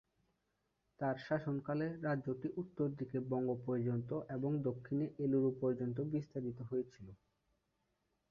তার শাসনকালে রাজ্যটি উত্তর দিকে বঙ্গ পর্যন্ত এবং দক্ষিণে এলুরু পর্যন্ত বিস্তারিত হয়েছিল।